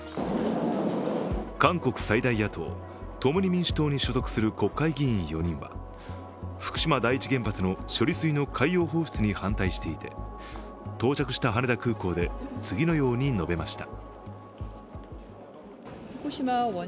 韓国最大野党・共に民主党に所属する国会議員４人は福島第一原発の処理水の海洋放出に反対していて到着した羽田空港で次のように述べました。